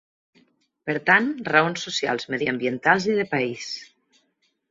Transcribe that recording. Per tant: raons socials, mediambientals i de país.